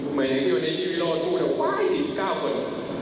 เหมือนที่วันนี้วิโรดพูดว่า๔๙คน